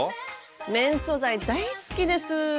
綿素材大好きです！